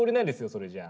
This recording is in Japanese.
それじゃあ。